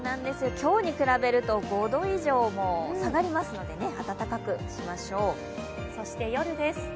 今日に比べると５度以上も下がりますのでそして、夜です。